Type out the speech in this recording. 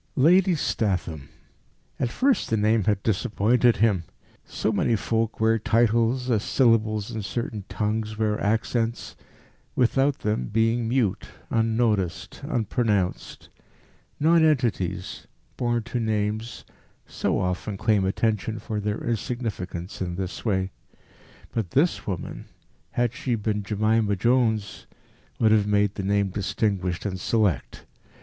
Lady Statham! At first the name had disappointed him. So many folk wear titles, as syllables in certain tongues wear accents without them being mute, unnoticed, unpronounced. Nonentities, born to names, so often claim attention for their insignificance in this way. But this woman, had she been Jemima Jones, would have made the name distinguished and select.